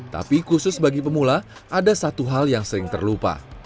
tapi khusus bagi pemula ada satu hal yang sering terlupa